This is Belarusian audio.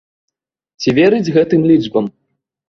Ці верыць гэтым лічбам?